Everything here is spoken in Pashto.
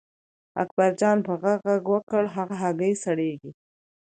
اکبرجان په غږ غږ وکړ هغه هګۍ سړېږي.